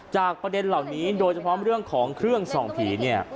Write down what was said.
ประเด็นเหล่านี้โดยเฉพาะเรื่องของเครื่องส่องผีเนี่ย